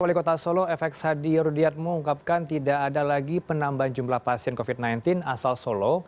wali kota solo fx hadi rudiat mengungkapkan tidak ada lagi penambahan jumlah pasien covid sembilan belas asal solo